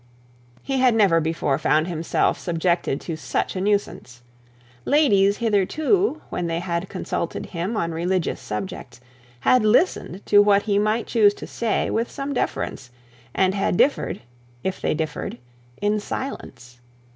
He had never before found himself subjected to such a nuisance. Ladies hitherto, when they had consulted him on religious subjects, had listened to what he might choose to say with some deference, and had differed, it they differed, in silence.